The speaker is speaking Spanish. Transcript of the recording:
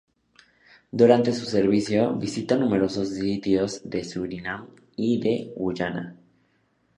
Durante su servicio, visita numerosos sitios de Surinam y de Guyana.